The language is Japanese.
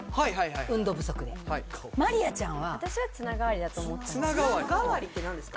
運動不足でまりあちゃんは私はつな代わりだと思ったつな代わりって何ですか？